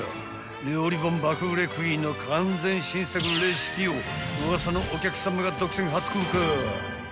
［料理本爆売れクイーンの完全新作レシピを『ウワサのお客さま』が独占初公開］